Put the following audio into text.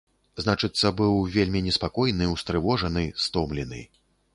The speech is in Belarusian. Значыцца, быў вельмі неспакойны, устрывожаны, стомлены.